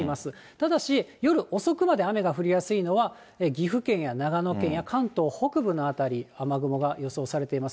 ただし、夜遅くまで雨が降りやすいのは岐阜県や長野県や関東北部の辺り、雨雲が予想されています。